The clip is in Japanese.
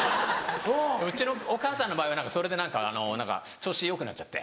うちのお母さんの場合はそれで何か調子よくなっちゃって。